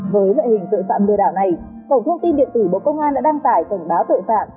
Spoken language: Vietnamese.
với loại hình tội phạm lừa đảo này cổng thông tin điện tử bộ công an đã đăng tải cảnh báo tội phạm